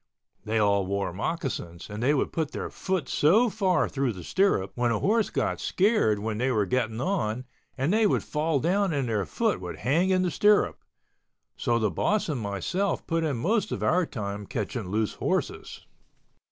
They all wore moccasins and they would put their foot so far through the stirrup when a horse got scared when they were getting on and they would fall down and their foot would hang in the stirrup, so the boss and myself put in most of our time catching loose horses.